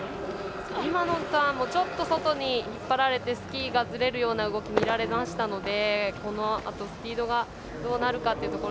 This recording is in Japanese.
今のターンもちょっと外に引っ張られてスキーがずれるような動きが見られましたのでこのあとスピードがどうなるか。